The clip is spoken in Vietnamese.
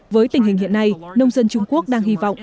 với tình hình hiện nay nông dân trung quốc đang hy vọng